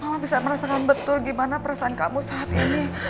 mama bisa merasakan betul gimana perasaan kamu saat ini